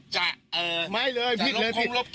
จะลบคลิป